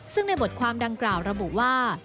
ซึ่งในบทความดังกล่าวระบุว่า